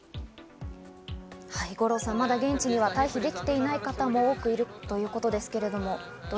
五郎さん、まだ現地には退避できていない人もいるということですが。